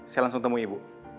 saya langsung temui ibu